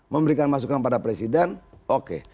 memberikan masukan pada presiden oke